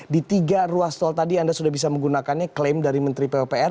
di tiga ruas tol tadi anda sudah bisa menggunakannya klaim dari menteri pupr